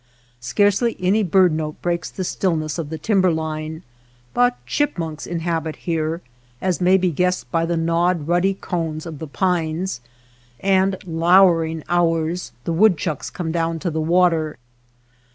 Scarcely any bird note breaks the stillness of the timber line, but chipmunks inhabit here, as may be guessed by the gnawed ruddy cones of the ^ pines, and lowering hours the woodchucks i come down to the water.